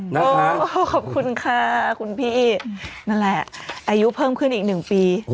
นะคะโอ้ขอบคุณค่ะคุณพี่นั่นแหละอายุเพิ่มขึ้นอีกหนึ่งปี